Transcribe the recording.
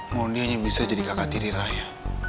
kalo dia bisa jadi kakak diri raya